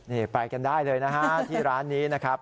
นี่ไปกันได้เลยนะฮะที่ร้านนี้นะครับ